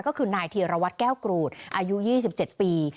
ก็คือนายธีรวัตรแก้วกรูดอายุ๒๗ปี